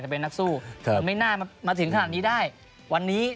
บอกว่าอยากได้แบบนี้